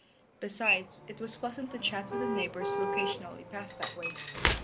Besides, it was pleasant to chat with the neighbors who occasionally passed that way.